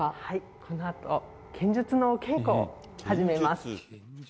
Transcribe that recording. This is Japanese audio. このあと、剣術のお稽古を始めます。